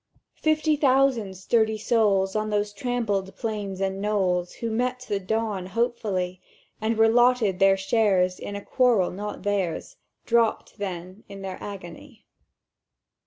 "Fifty thousand sturdy souls on those trampled plains and knolls, Who met the dawn hopefully, And were lotted their shares in a quarrel not theirs, Dropt then in their agony.